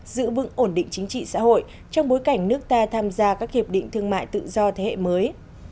giữ vững ổn định chính trị xã hội trong bối cảnh nước ta tham gia các hiệp định thương mại tự do thế hệ mới